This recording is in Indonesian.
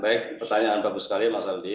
baik pertanyaan bagus sekali mas aldi